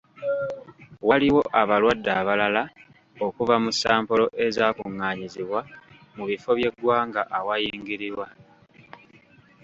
Waliwo abalwadde abalala okuva mu sampolo ezaakungaanyiziddwa ku bifo by'eggwanga ewayingirirwa.